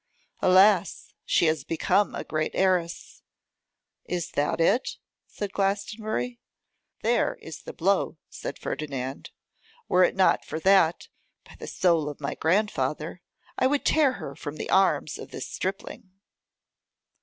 'Alas! she has become a great heiress!' 'Is that it?' said Glastonbury. 'There is the blow,' said Ferdinand. 'Were it not for that, by the soul of my grandfather, I would tear her from the arms of this stripling.